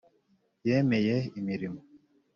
yemeye imirimo.